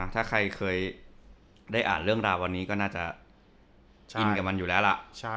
ถ้าใครเคยได้อ่านเรื่องราววันนี้ก็น่าจะชินกับมันอยู่แล้วล่ะ